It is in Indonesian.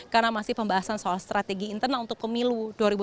karena masih pembahasan soal strategi internal untuk pemilu dua ribu dua puluh empat